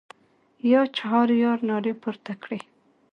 یا چهاریار نارې پورته کړې.